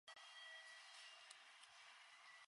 It is stable in boiling water and dilute acids.